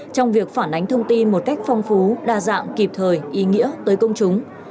trong việc phản ánh thông tin một cách phong phú đa dạng kịp thời ý nghĩa tới công chúng